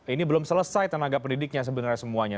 ini belum selesai tenaga pendidiknya sebenarnya semuanya